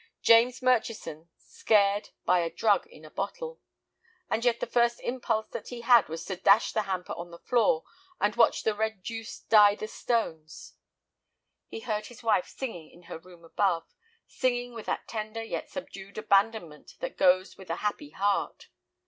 James Murchison scared by a drug in a bottle! And yet the first impulse that he had was to dash the hamper on the floor, and watch the red juice dye the stones. He heard his wife singing in her room above, singing with that tender yet subdued abandonment that goes with a happy heart.